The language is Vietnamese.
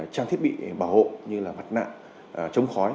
trang thiết bị bảo hộ như là mặt nặng chống khói